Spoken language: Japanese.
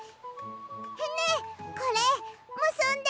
ねえこれむすんで。